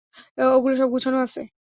ওগুলো সব গুছানো আছে?